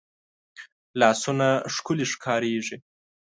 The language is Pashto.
لاسونه ښکلې ښکارېږي